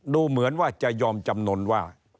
ดูเหมือนว่าจะยอมจำนวนว่า